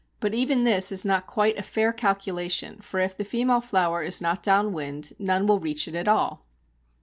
But even this is not quite a fair calculation, for if the female flower is not down wind, none will reach it at all!